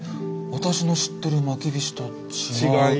私の知ってるまきびしと違う。